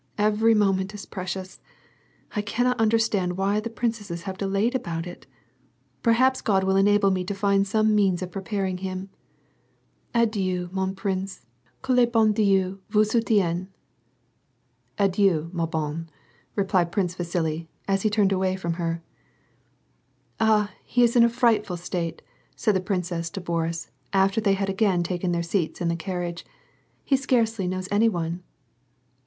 Every moment is precious. I cannot understand why the princesses have delayed about it. Perhaps God will enable me to find some means of preparing him. Adieu, mon prince^ que le hon Dieu ifouji soutienne,'^ " Adieu, ma bonne" replied Prince Vasili, as he turned away from her. " Ah, he is in a frightful state," said the princess to Boris, after they had again taken their seats in the carriage. " He scarcely knows any one."